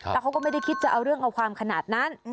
แล้วเขาก็ไม่ได้คิดจะเอาเรื่องเอาความขนาดนั้น